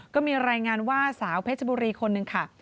ก็มีรายงานว่าสาวเพชรบุรีคนหนึ่งค่ะ